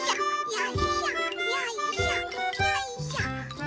よいしょよいしょよいしょ。